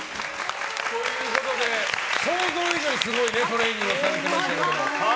想像以上にすごいトレーニングをされてましたけど。